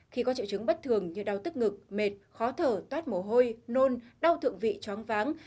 khi có triệu chứng bất thường như đau tức ngực mệt khó thở toát mồ hôi nôn đau thượng vị choáng váng